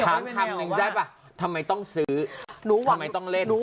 ถามคำนึงได้ป่ะทำไมต้องซื้อหนูอ่ะทำไมต้องเล่น